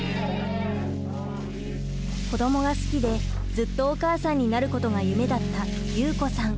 子どもが好きでずっとお母さんになることが夢だった祐子さん。